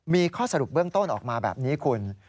มีข้อสรุปเบื้องต้นออกมาแบบนี้คุณ